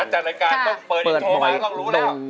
นักจัดรายการต้องเปิดอินโทรมาเรารู้แล้ว